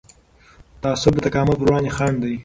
تعصب د تکامل پر وړاندې خنډ دی